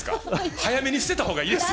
早めに捨てたほうがいいですよ